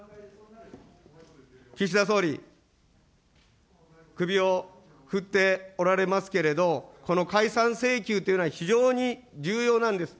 岸田総理、首を振っておられますけれど、この解散請求というのは、非常に重要なんです。